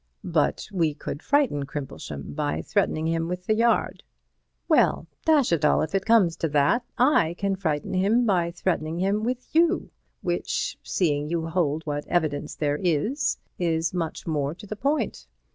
"But we could frighten Crimplesham by threatening him with the Yard." "Well, dash it all, if it comes to that, I can frighten him by threatening him with you, which, seeing you hold what evidence there is, is much more to the point.